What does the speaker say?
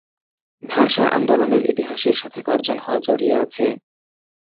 ভাষা আন্দোলনের ইতিহাসের সাথে কার্জন হল জড়িয়ে আছে।